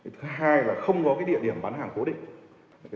thứ hai là không có địa điểm bán hàng cố định